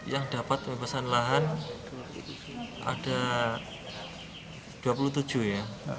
yang dapat pembebasan lahan ada dua puluh tujuh ya